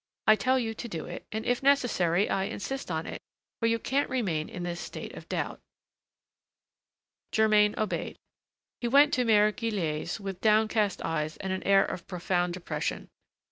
I tell you to do it, and, if necessary, I insist on it; for you can't remain in this state of doubt." Germain obeyed. He went to Mère Guillette's, with downcast eyes and an air of profound depression.